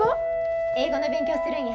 英語の勉強するんや。